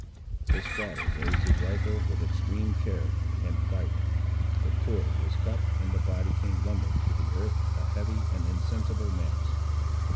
The squatter raised his rifle, with extreme care, and fired. The cord was cut and the body came lumbering to the earth a heavy and insensible mass.